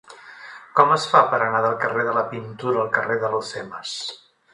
Com es fa per anar del carrer de la Pintura al carrer d'Alhucemas?